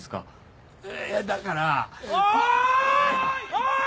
おい！